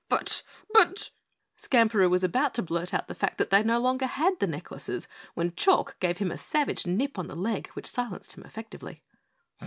"But but " Skamperoo was about to blurt out the fact that they no longer had the necklaces when Chalk gave him a savage nip on the leg which silenced him effectively.